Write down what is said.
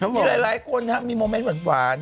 มีหลายคนมีโมเมนต์หวาน